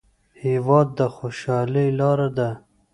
هېواد د خوشحالۍ لار ده.